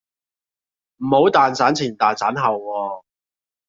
唔好蛋散前蛋散後喎